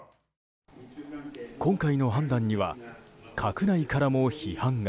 今回の判断には閣内からも批判が。